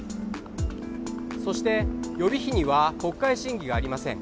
そして、予備費には国会審議がありません。